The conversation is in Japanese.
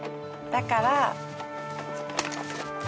だから。